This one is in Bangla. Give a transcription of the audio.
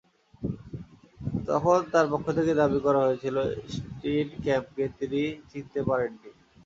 তখন তাঁর পক্ষ থেকে দাবি করা হয়েছিল, স্টিনক্যাম্পকে তিনি চিনতে পারেননি।